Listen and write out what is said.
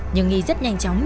nhưng nghi rất nhanh chóng